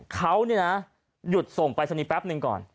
เขาเนี่ยนะหยุดส่งไปสักนิดแป๊บหนึ่งก่อน